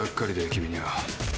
君には。